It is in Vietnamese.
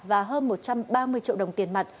và hơn một trăm ba mươi triệu đồng tiền mặt